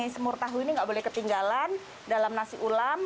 semur tahu ini nggak boleh ketinggalan dalam nasi ulam